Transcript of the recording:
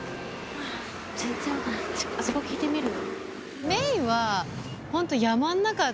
全然あそこ聞いてみる？